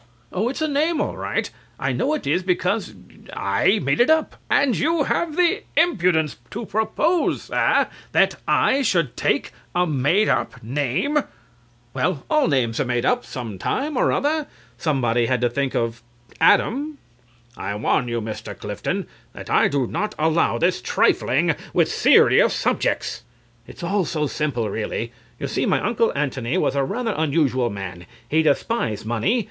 Oh, it's a name all right. I know it is because er I made it up. CRAWSHAW (outraged). And you have the impudence to propose, sir, that I should take a made up name? CLIFTON (soothingly). Well, all names are made up some time or other. Somebody had to think of Adam. CRAWSHAW. I warn you, Mr. Clifton, that I do not allow this trifling with serious subjects. CLIFTON. It's all so simple, really.... You see, my Uncle Antony was a rather unusual man. He despised money.